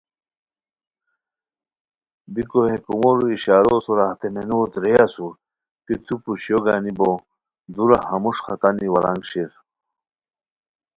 بیکو ہے کومورو اشارو سورا ہتے مینوت رے اسور کی تو پوشیو گانی بو دورا ہموݰ ختانی ورانگ شیر